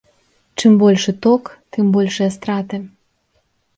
Чым большы ток, тым большыя страты.